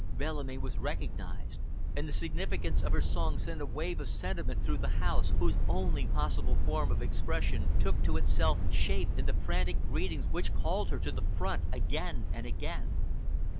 Bellamy was recognized, and the significance of her song sent a wave of sentiment through the house whose only possible form of expression took to itself shape in the frantic greetings which called her to the front again and again.